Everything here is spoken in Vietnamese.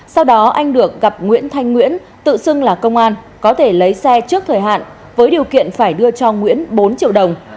sau đó anh được gặp nguyễn thanh nguyễn tự xưng là công an có thể lấy xe trước thời hạn với điều kiện phải đưa cho nguyễn bốn triệu đồng